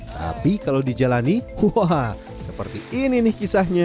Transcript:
tapi kalau dijalani waha seperti ini nih kisahnya